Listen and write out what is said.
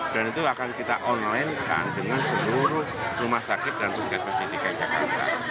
dan itu akan kita online kan dengan seluruh rumah sakit dan puskesmas indikasi jakarta